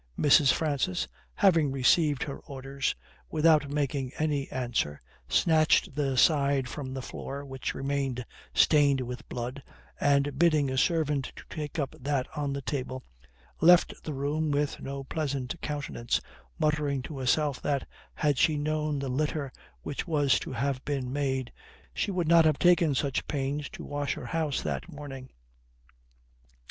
Mrs. Francis, having received her orders, without making any answer, snatched the side from the floor, which remained stained with blood, and, bidding a servant to take up that on the table, left the room with no pleasant countenance, muttering to herself that, "had she known the litter which was to have been made, she would not have taken such pains to wash her house that morning.